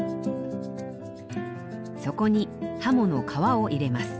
そこに鱧の皮を入れます。